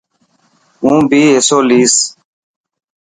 هون بي حصو ليسن.